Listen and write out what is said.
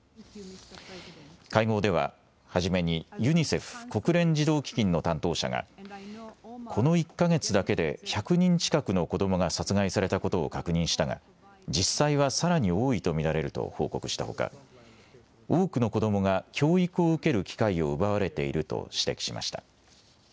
会合では、初めにユニセフ・国連児童基金の担当者がこの１か月だけで１００人近くの子どもが殺害されたことを確認したが実際はさらに多いと見られると報告したほか、多くの子どもが教育を受ける機会を奪われていると指摘しました。